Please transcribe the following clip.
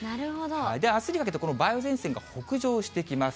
あすにかけて、この梅雨前線が北上してきます。